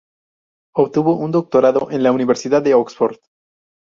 Obtuvo un doctorado en la Universidad de Oxford.